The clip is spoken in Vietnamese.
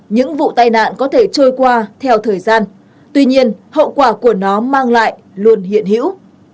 những vụ tai nạn có thể trôi qua theo thời gian tuy nhiên hậu quả của nó mang lại luôn hiện hữu